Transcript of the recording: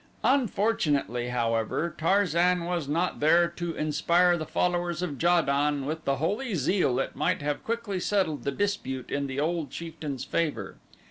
Unfortunately however Tarzan was not there to inspire the followers of Ja don with the holy zeal that might have quickly settled the dispute in the old chieftain's favor.